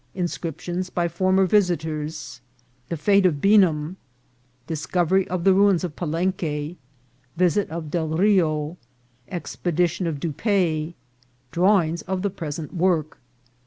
— Inscriptions by former Visiters. — The Fate of Beanham.— Discovery of the Ruins ofPalenque. — Visit of Del Rio. — Expe dition of Dupaix. — Drawings of the present Work.